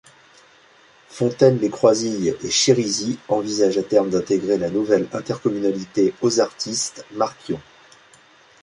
Fontaine-lès-Croisilles et Chérisy envisagent à terme d'intégrer la nouvelle intercommunalité Osartis - Marquion.